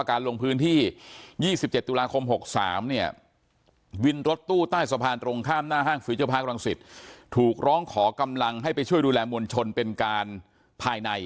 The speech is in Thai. การลงพื้นที่๒๗ตุลาคม๖๓เนี่ยวินรถตู้ใต้สะพานตรงข้ามหน้าห้างฟิวเจอร์พาร์ครังสิตถูกร้องขอกำลังให้ไปช่วยดูแลมวลชนเป็นการภายใน